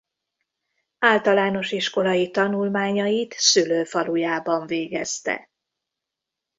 Általános iskolai tanulmányait szülőfalujában végezte.